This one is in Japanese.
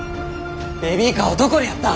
ベビーカーはどこにやった？